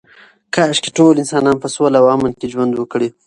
کاشکې ټول انسانان په سوله او امن کې ژوند وکړي.